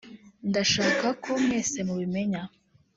“Ndashaka ko mwese mubimenya